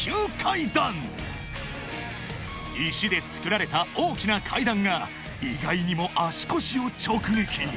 ［石でつくられた大きな階段が意外にも足腰を直撃］